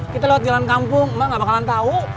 kita lewat jalan kampung mak gak bakalan tahu